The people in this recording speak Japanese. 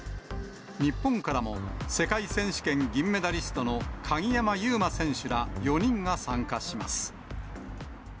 日本からも世界選手権銀メダリストの鍵山優真選手ら４人が参加します。